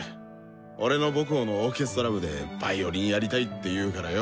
俺の母校のオーケストラ部でヴァイオリンやりたいって言うからよ。